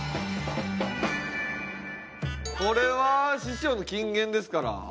これは師匠の金言ですから。